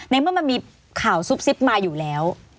เมื่อมันมีข่าวซุบซิบมาอยู่แล้ว